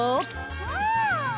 うん！